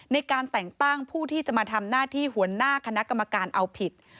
ในการแต่งตั้งผู้ที่จะมาทำหน้าที่หัวหน้าคณะกรรมการเอาผิด